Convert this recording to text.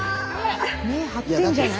根張ってんじゃない？